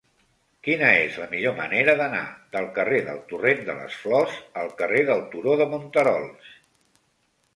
Quina és la millor manera d'anar del carrer del Torrent de les Flors al carrer del Turó de Monterols?